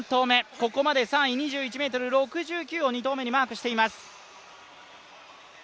ここまで３位、２１ｍ６９を２投目にマークしています。